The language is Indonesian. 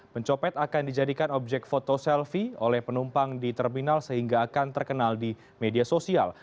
pencopet akan dijadikan objek foto selfie oleh penumpang di terminal sehingga akan terkenal di media sosial